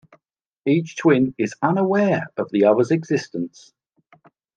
Each twin is unaware of the other's existence.